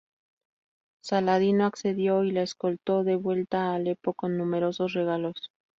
Saladino accedió y la escoltó de vuelta a Alepo con numerosos regalos.